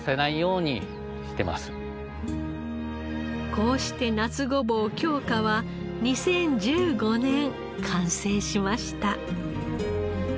こうして夏ごぼう京香は２０１５年完成しました。